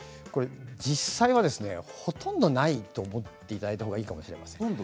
実際はほとんどないと思っていただいたほうがいいかもしれません。